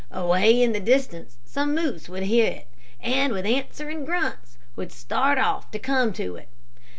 Away in the distance some moose would hear it, and with answering grunts would start off to come to it.